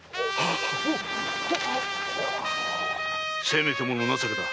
せめてもの情けだ。